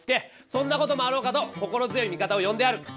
そんなこともあろうかと心強い味方を呼んである。